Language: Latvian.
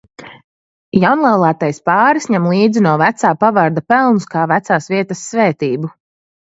Jaunlaulātais pāris ņem līdzi no vecā pavarda pelnus kā vecās vietas svētību.